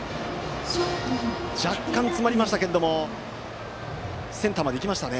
若干詰まりましたがセンターまで行きました。